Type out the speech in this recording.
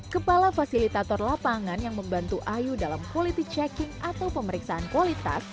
kepala fasilitator lapangan yang membantu ayu dalam quality checking atau pemeriksaan kualitas